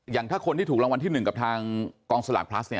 อย่างถ้าคนที่ถูกรางวัลที่๑กับทางกองสลากพลัสเนี่ย